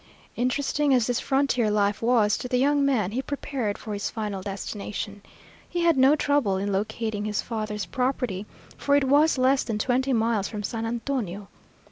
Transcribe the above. Interesting as this frontier life was to the young man, he prepared for his final destination. He had no trouble in locating his father's property, for it was less than twenty miles from San Antonio.